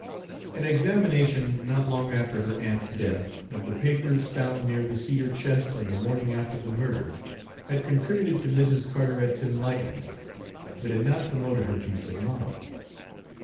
An examination, not long after her aunt's death, of the papers found near the cedar chest on the morning after the murder had contributed to Mrs. Carteret's enlightenment, but had not promoted her peace of mind.